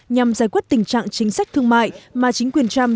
nhằm giải quyết tình trạng chính sách thương mại mà chính quyền trump